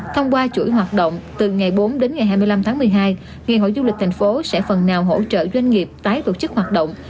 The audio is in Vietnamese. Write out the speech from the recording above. thông qua chuỗi hoạt động từ ngày bốn đến ngày hai mươi năm tháng một mươi hai ngày hội du lịch thành phố sẽ phần nào hỗ trợ doanh nghiệp tái tổ chức hoạt động